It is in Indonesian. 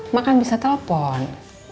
mak kan bisa telepon